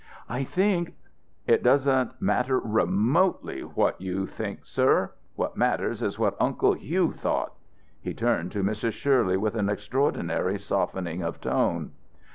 "I think " "It doesn't matter remotely what you we think sir. What matters is what Uncle Hugh thought." He turned to Mrs. Shirley with an extraordinary softening of tone.